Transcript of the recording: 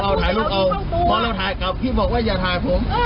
พี่มาทำถ่ายลูกเอาถ่ายลูกเอาพอเราถ่ายกับพี่บอกว่าอย่าถ่ายผม